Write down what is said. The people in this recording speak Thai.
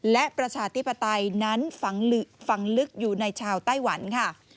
และประชาธิปไตยนั้นฝังลึกอยู่ในชาวไต้หวันค่ะ